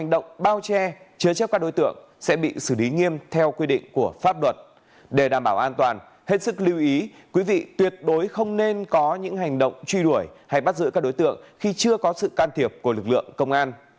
để đảm bảo an toàn hết sức lưu ý quý vị tuyệt đối không nên có những hành động truy đuổi hay bắt giữ các đối tượng khi chưa có sự can thiệp của lực lượng công an